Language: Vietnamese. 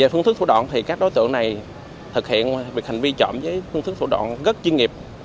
phương thức thủ đoạn thì các đối tượng này thực hiện việc hành vi trộm với phương thức thủ đoạn rất chuyên nghiệp